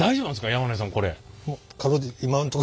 山根さんこれ。